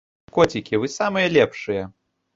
Коцікі, вы самыя лепшыя.